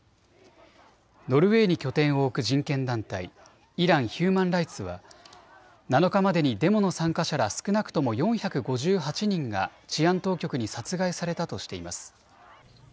ノルウェーに拠点を置く人権団体、イラン・ヒューマン・ライツは７日までにデモの参加者ら少なくとも４５８人が治安当局に殺害されたとしています。